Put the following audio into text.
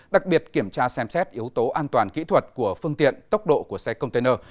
đặc biệt kiểm tra xem xét yếu tố an toàn kỹ thuật của phương tiện tốc độ của xe container